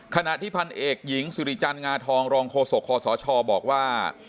ขณะที่พันเอกหญิงสุริจันทร์งาทองรองโฆษกคศบอกว่า